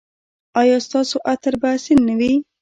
ایا ستاسو عطر به اصیل نه وي؟